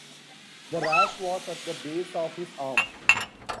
The rash was at the base of his arm.